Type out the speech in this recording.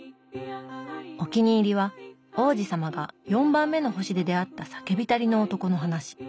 お気に入りは王子さまが４番目の星で出会った酒びたりの男の話。